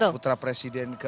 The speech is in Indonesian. putra presiden ke empat